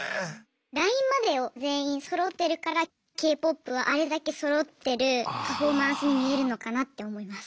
ラインまでを全員そろってるからＫ−ＰＯＰはあれだけそろってるパフォーマンスに見えるのかなって思います。